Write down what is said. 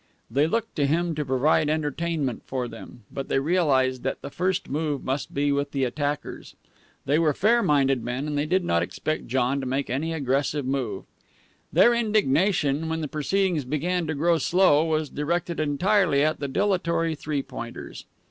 They looked to him to provide entertainment for them, but they realized that the first move must be with the attackers. They were fair minded men, and they did not expect John to make any aggressive move. Their indignation, when the proceedings began to grow slow, was directed entirely at the dilatory Three Pointers.